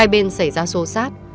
hai bên xảy ra xô xát